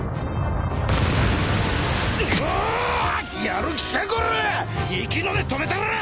やる気かこら！？